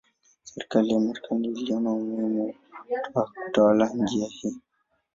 Serikali ya Marekani iliona umuhimu wa kutawala njia hii.